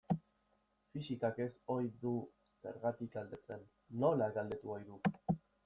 Fisikak ez ohi du zergatik galdetzen, nola galdetu ohi du.